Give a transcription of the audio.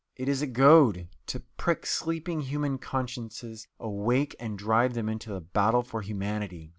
It is a goad, to prick sleeping human consciences awake and drive them into the battle for humanity.